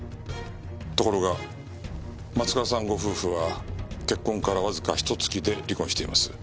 ところが松川さんご夫婦は結婚からわずかひと月で離婚しています。